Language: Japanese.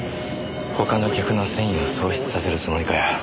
他の客の戦意を喪失させるつもりかよ。